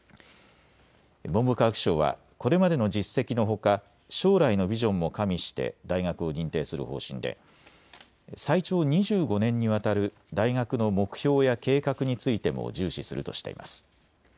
文部科学省はこれまでの実績のほか将来のビジョンも加味して大学を認定する方針で最長２５年にわたる大学の目標や計画についても重視するとしています。